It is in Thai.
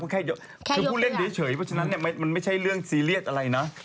เพราะฉะนั้นมันไม่ใช่เรื่องซีเรียสอะไรนะ